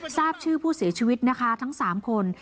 ทราบชื่อผู้เสียชีวิตนะคะทั้ง๓คน